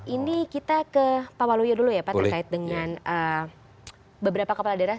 ini kita ke pak waluyo dulu ya pak terkait dengan beberapa kepala daerah